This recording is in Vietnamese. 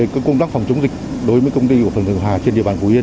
công tác phòng chống dịch đối với công ty của phần thượng hòa trên địa bàn phú yên